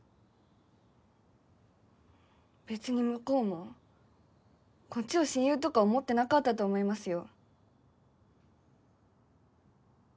べつに向こうもこっちを親友とか思ってなかったと思いますよ。